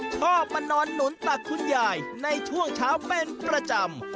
ชอบมานอนหนุนตักคุณยายในช่วงเช้าเป็นประจำ